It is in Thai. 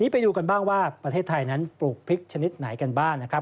ไปดูกันบ้างว่าประเทศไทยนั้นปลูกพริกชนิดไหนกันบ้างนะครับ